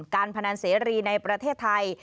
พนันเสรีในประเทศไทย